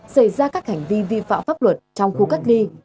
xảy ra các hành vi vi phạm pháp luật trong khu cách ly